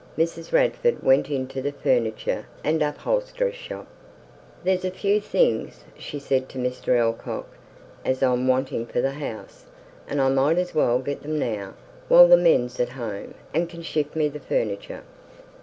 Mrs. Radford went into the furnisher and upholsterer's shop. "There's a few things," she said to Mr. Allcock, "as I'm wantin' for the house, and I might as well get them now, while the men's at home, and can shift me the furniture."